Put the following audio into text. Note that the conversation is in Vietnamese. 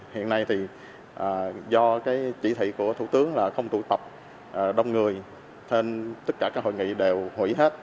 hiện nay thì do cái chỉ thị của thủ tướng là không tụ tập đông người nên tất cả các hội nghị đều hủy hết